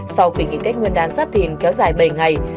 sau kỳ nghỉ tết nguyên đán giáp thìn kéo dài bảy ngày